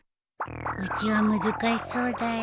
うちは難しそうだよ。